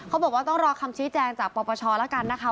เขาบอกว่าต้องรอคำชี้แจงจากปปชแล้วกันนะคะ